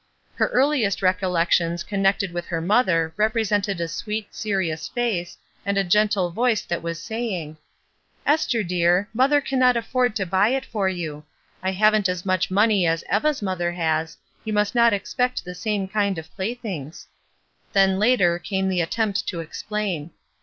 Her earhest recol lections connected with her mother represented a sweet, serious face, and a gentle voice that was saying: "Esther, dear, mother cannot afford to buy it for you. I haven't as much money as Eva's mother has; you must not expect the same kind of playthings." Then, later, came the attempt to explain.